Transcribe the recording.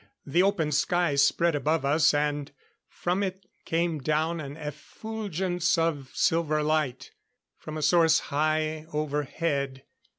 The open sky spread above us. And from it came down an effulgence of silver light, from a source high overhead.